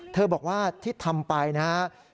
บอกว่าที่ทำไปนะครับ